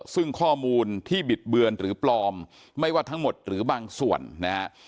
ซึ่งข้อมูลที่บิดเบือนหรือปลอมไม่ว่าทั้งหมดหรือบางส่วนนะฮะ